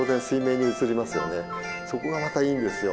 そこがまたいいんですよ。